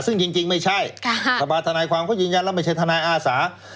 ซึ่งจริงไม่ใช่สภาธนายความเขายืนยันแล้วไม่ใช่ทนายอาสา